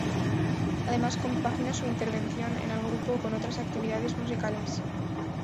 Además, compagina su intervención en el grupo con otras actividades musicales.